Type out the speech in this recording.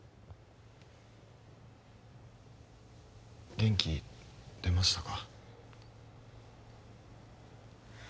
元気出ましたか？